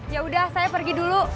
yaudah saya pergi dulu